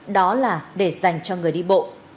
đó là để dành cho người đi bộ